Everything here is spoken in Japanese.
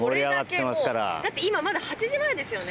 今まだ８時前ですよね。